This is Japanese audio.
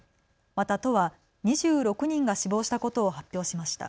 また都は２６人が死亡したことを発表しました。